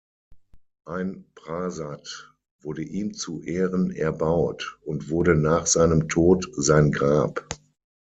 Ein Prasat wurde ihm zu Ehren erbaut und wurde nach seinem Tod sein Grab.